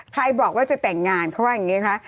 ใครบอกว่าจะแต่งงานเขาว่าอย่างนี้คะ